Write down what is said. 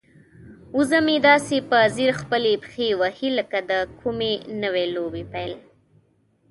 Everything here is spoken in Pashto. وزه مې داسې په ځیر خپلې پښې وهي لکه د کومې نوې لوبې پیل.